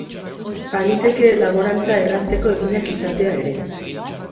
Baliteke laborantza errazteko eginak izatea ere.